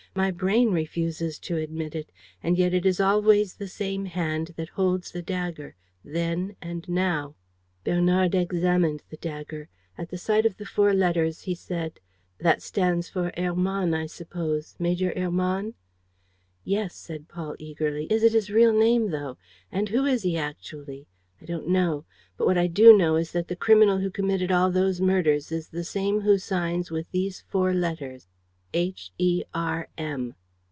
My brain refuses to admit it. ... And yet it is always the same hand that holds the dagger ... then and now." Bernard examined the dagger. At the sight of the four letters, he said: "That stands for Hermann, I suppose? Major Hermann?" "Yes," said Paul, eagerly. "Is it his real name, though? And who is he actually? I don't know. But what I do know is that the criminal who committed all those murders is the same who signs with these four letters, H, E, R, M."